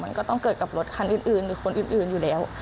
มันก็ต้องเกิดกับรถคันอื่นหรือคนอื่นอยู่แล้ว